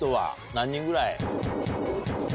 何人ぐらい？